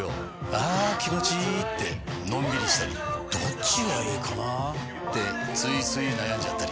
あ気持ちいいってのんびりしたりどっちがいいかなってついつい悩んじゃったり。